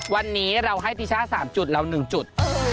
วันนี้เราให้ติช่าสามจุดเราหนึ่งจุด